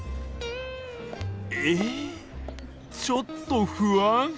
えちょっと不安。